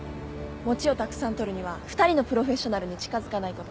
餅をたくさん取るには２人のプロフェッショナルに近づかないこと。